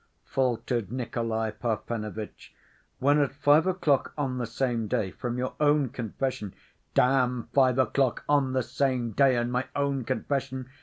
faltered Nikolay Parfenovitch, "when at five o'clock on the same day, from your own confession—" "Damn five o'clock on the same day and my own confession!